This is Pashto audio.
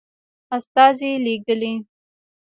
استازي لېږلي.